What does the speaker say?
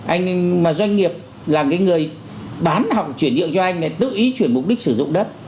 anh mà doanh nghiệp là cái người bán họng chuyển nhượng cho anh này tự ý chuyển mục đích sử dụng đất